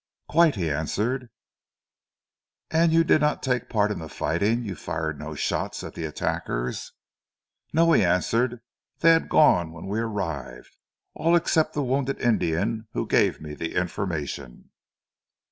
"Quite," he answered. "And you did not take part in the fighting? You fired no shots at the attackers?" "No," he answered. "They had gone when we arrived, all except the wounded Indian who gave me the information."